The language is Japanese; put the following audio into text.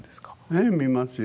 ええ見ますよ。